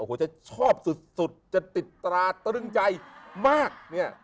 โอ้โหจะชอบสุดจะติดตราตรึงใจมากเนี่ย